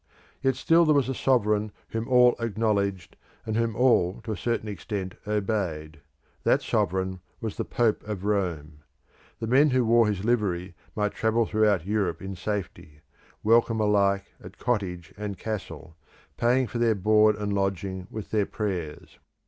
Yet still there was a sovereign whom all acknowledged, and whom all to a certain extent obeyed. That sovereign was the Pope of Rome. The men who wore his livery might travel throughout Europe in safety, welcome alike at cottage and castle, paying for their board and lodging with their prayers.